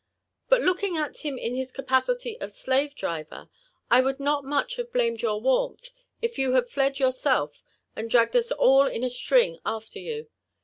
Bat looking «t him in hifl capacity of slave driYer, I would not much hate blamed year warmth, if you had fled yourself, and dragged us all in a string after yoo.